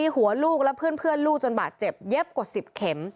หัวลูกและเพื่อนลูกจนบาดเจ็บเย็บกว่า๑๐เข็ม